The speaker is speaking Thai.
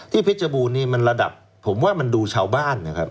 เพชรบูรณนี่มันระดับผมว่ามันดูชาวบ้านนะครับ